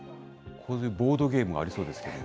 こういうボードゲームがありそうですけど。